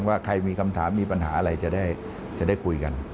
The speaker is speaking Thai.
ว่าใครมีคำถามมีปัญหาอะไรจะได้คุยกัน